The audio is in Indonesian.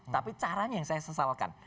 tapi caranya yang saya sesalkan